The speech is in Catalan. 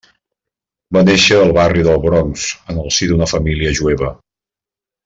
Va néixer al barri de Bronx en el si d'una família jueva.